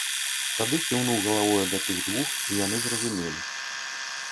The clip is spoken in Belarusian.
Тады кіўнуў галавою да тых двух, і яны зразумелі.